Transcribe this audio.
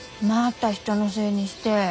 また人のせいにして。